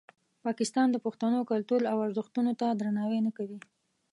پاکستان د پښتنو کلتور او ارزښتونو ته درناوی نه کوي.